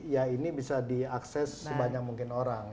ya ini bisa diakses sebanyak mungkin orang